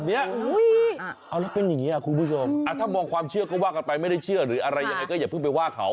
เอาแล้วเป็นอย่างนี้คุณผู้ชมถ้ามองความเชื่อก็ว่ากันไปไม่ได้เชื่อหรืออะไรยังไงก็อย่าเพิ่งไปว่าเขา